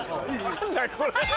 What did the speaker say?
何だこれ。